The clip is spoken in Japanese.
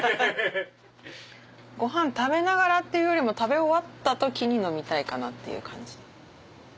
ご飯食べながらっていうよりも食べ終わった時に飲みたいかなっていう感じ。